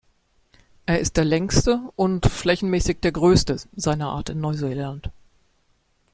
Er ist der längste und flächenmäßig der Größte seiner Art in Neuseeland.